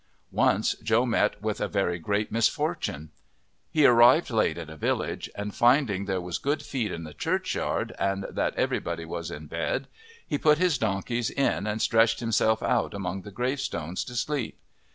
Once Joe met with a very great misfortune. He arrived late at a village, and finding there was good feed in the churchyard and that everybody was in bed, he put his donkeys in and stretched himself out among the gravestones to sleep.